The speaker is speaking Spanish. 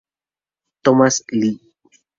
Thomas Lee.